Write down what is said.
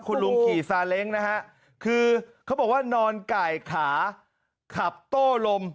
คุณลุงขี่ซาเล้งนะฮะคือเขาบอกว่านอนไก่ขาขับโต้ลม